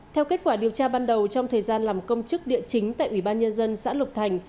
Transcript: theo kết quả điều tra ban đầu trong thời gian làm công chức địa chính tại ủy ban nhân dân xã lục thành